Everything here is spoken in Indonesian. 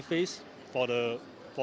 untuk mereka berlangganan